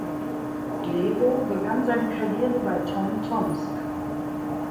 Glebow begann seine Karriere bei Tom Tomsk.